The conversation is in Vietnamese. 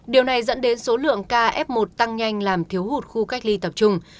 điều này dẫn đến số lượng ca f một tăng nhanh làm thiếu hụt khu cách ly tập trung